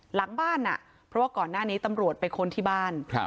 หลังบ้านอ่ะเพราะว่าก่อนหน้านี้ตำรวจไปค้นที่บ้าน